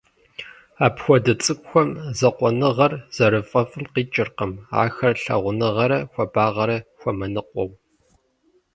Апхуэдэ цӀыкӀухэм закъуэныгъэр зэрафӀэфӀым къикӀыркъым ахэр лъагъуныгъэрэ хуабагъэрэ хуэмыныкъуэу.